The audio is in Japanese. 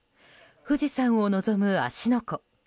富士山を望む芦ノ湖。